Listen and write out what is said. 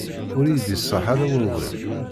Ur yi-d-iṣaḥ ara wawal.